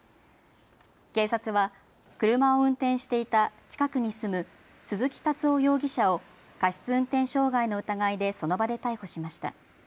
警察は車を運転していた近くに住む鈴木建雄容疑者を過失運転傷害の疑いでその場で逮捕しました。